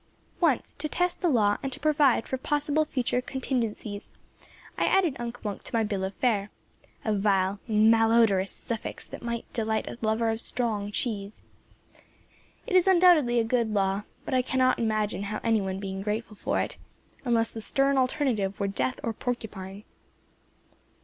Once, to test the law and to provide for possible future contingencies, I added Unk Wunk to my bill of fare a vile, malodorous suffix that might delight a lover of strong cheese. It is undoubtedly a good law; but I cannot now imagine any one being grateful for it, unless the stern alternative were death or porcupine.